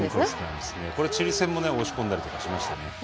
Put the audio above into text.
チリ戦も押し込んだりしましたね。